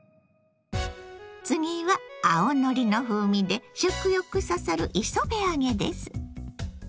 次は青のりの風味で食欲そそる磯辺揚げです。